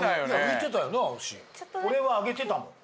俺は上げてたもん。